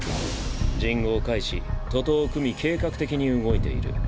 人語を解し徒党を組み計画的に動いている。